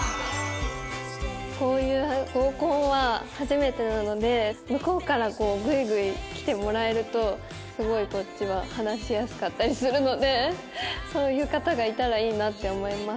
こういう合コンは初めてなので向こうからグイグイ来てもらえるとすごいこっちは話しやすかったりするのでそういう方がいたらいいなって思います。